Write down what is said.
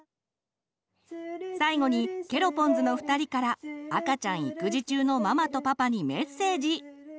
最後にケロポンズの２人から赤ちゃん育児中のママとパパにメッセージ！